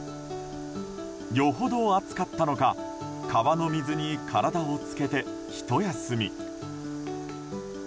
よほど暑かったのか川の水に体をつけてひと休み。